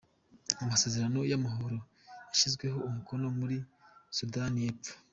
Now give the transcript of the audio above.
-Amasezerano y’amahoro yashyizweho umukono muri Sudani y’Epfo